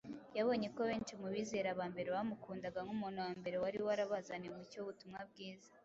Yabonye ko benshi mu bizera ba mbere bamukundaga nk’umuntu wa mbere wari warabazaniye umucyo w’ubutumwa bwiza.